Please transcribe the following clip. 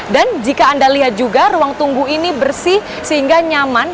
dan jika anda lihat juga ruang tunggu ini bersih sehingga nyaman